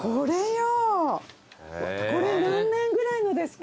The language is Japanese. これ何年ぐらいのですか？